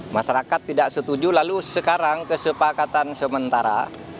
masyarakat tidak setuju lalu sekarang kesepakatan sementara